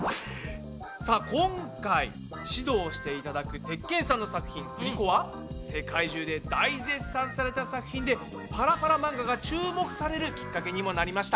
さあ今回指導していただく鉄拳さんの作品「振り子」は世界中で大絶賛された作品でパラパラ漫画が注目されるきっかけにもなりました。